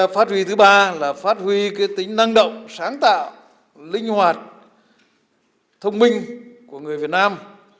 phát huy thứ ba là phát huy tính năng động sáng tạo linh hoạt thông minh của người việt nam